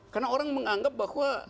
karena orang menganggap bahwa